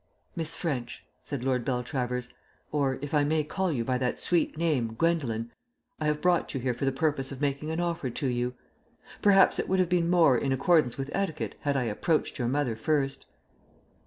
"Miss French," said Lord Beltravers, "or, if I may call you by that sweet name, Gwendolen, I have brought you here for the purpose of making an offer to you. Perhaps it would have been more in accordance with etiquette had I approached your mother first."